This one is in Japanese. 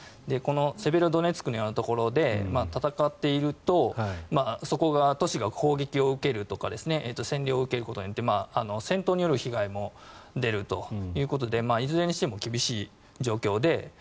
セベロドネツクのようなところで戦っているとそこの都市が攻撃を受けるとか占領を受けることによって戦闘による被害も出るということでいずれにしても厳しい状況で